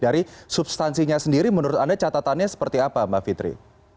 dari substansinya sendiri menurut anda catatannya seperti apa mbak fitri